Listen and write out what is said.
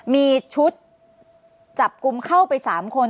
มีชุดจับกลุ่มเข้าไป๓คน